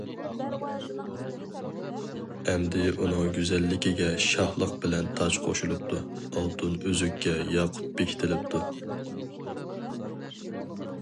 ئەمدى ئۇنىڭ گۈزەللىكىگە شاھلىق بىلەن تاج قوشۇلۇپتۇ، ئالتۇن ئۈزۈككە، ياقۇت بېكىتىلىپتۇ.